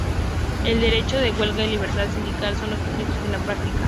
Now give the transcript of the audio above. El derecho de huelga y de libertad sindical son ya ejercidos en la práctica.